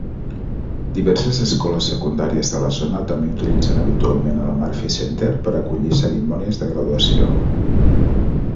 Diverses escoles secundàries de la zona també utilitzen habitualment el Murphy Center per acollir cerimònies de graduació.